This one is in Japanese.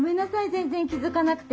全然気付かなくて。